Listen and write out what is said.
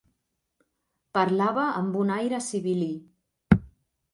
Parlava amb un aire sibil·lí.